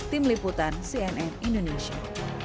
tim liputan cnn indonesia